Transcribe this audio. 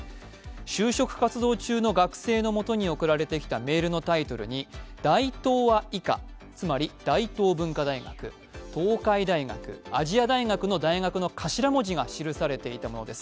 就職活動中の学生の元に送られてきたメールのタイトルに大東亜以下つまり大東文化大学、東海大学、亜細亜大学の大学の頭文字が記されていたのです。